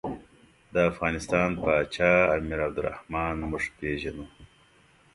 د افغانستان پاچا امیر عبدالرحمن موږ پېژنو.